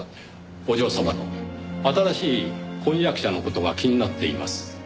お嬢様の新しい婚約者の事が気になっています。